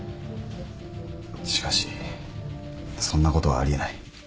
しかしそんなことはあり得ない。